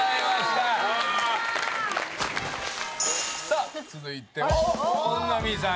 さあ続いては本並さん